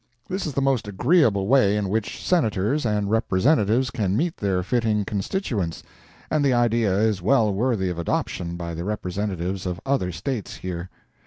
This is the most agreeable way in which Senators and Representatives can meet their fitting constituents, and the idea is well worthy of adoption by the representatives of other States here.